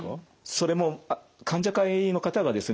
それも患者会の方がですね